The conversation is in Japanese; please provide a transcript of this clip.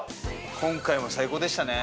今回も最高でしたね。